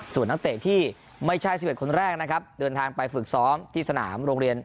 ส่วนนักเตะที่ไม่ใช่๑๑คนแรกนะครับเดินทางไปฝึกซ้อมที่สนามโรงเรียน